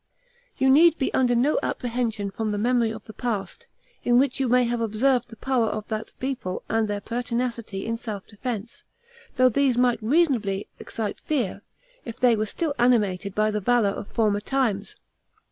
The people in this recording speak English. You need be under no apprehension from the memory of the past, in which you may have observed the power of that people and their pertinency in self defense; though these might reasonably excite fear, if they were still animated by the valor of former times.